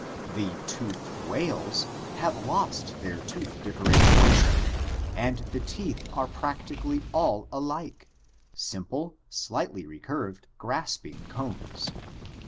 The toothed whales (Odontoceti) have lost their tooth differentiation and the teeth are practically all alike — simple, slightly recurved, grasping cones.